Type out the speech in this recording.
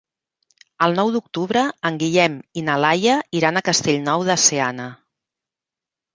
El nou d'octubre en Guillem i na Laia iran a Castellnou de Seana.